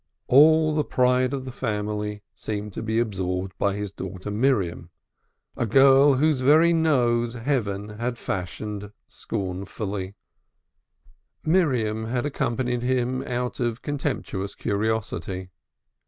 All the pride of the family seemed to be monopolized by his daughter Miriam, a girl whose very nose Heaven had fashioned scornful. Miriam had accompanied him out of contemptuous curiosity.